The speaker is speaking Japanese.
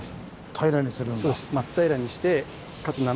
平らにするんだ。